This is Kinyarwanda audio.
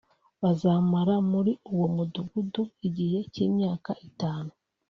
Bazamara muri uwo mudugudu igihe cy’imyaka itanu